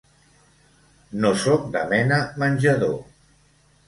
No soc de mena menjador.